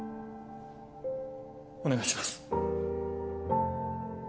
お願いします。